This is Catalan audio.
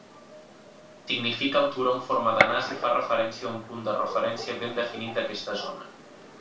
Significa "el turó amb forma de nas" i fa referència a un punt de referència ben definit d'aquesta zona.